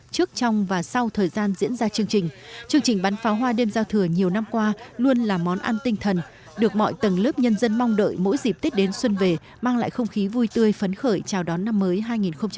chương trình bán pháo hoa đêm giao thừa nhiều năm qua luôn là món ăn tinh thần được mọi tầng lớp nhân dân mong đợi mỗi dịp tết đến xuân về mang lại không khí vui tươi phấn khởi chào đón năm mới hai nghìn hai mươi bốn